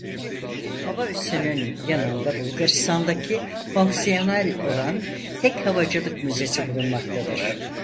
Hava üssünün yanında Bulgaristan'daki fonksiyonel olan tek havacılık müzesi bulunmaktadır.